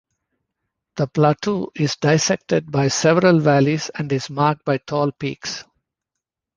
The plateau is dissected by several valleys and is marked by tall peaks.